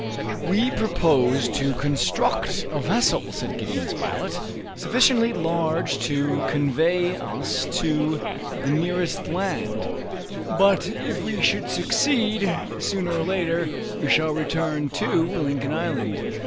"We propose to construct a vessel," said Gideon Spilett, "sufficiently large to convey us to the nearest land; but if we should succeed, sooner or later we shall return to Lincoln Island.